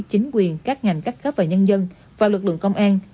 chính quyền các ngành cắt cắp và nhân dân và lực lượng công an